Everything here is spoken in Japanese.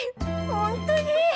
ほんとに！